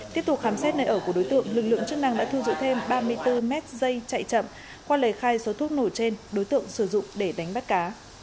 tiếp tục khám xét nơi ở của đối tượng lực lượng chức năng đã thu giữ thêm ba mươi bốn mét dây chạy chậm qua lời khai số thuốc nổ trên đối tượng sử dụng để đánh bắt cá